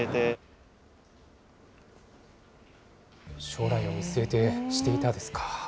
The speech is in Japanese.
将来を見据えてしていたですか。